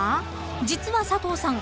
［実は佐藤さん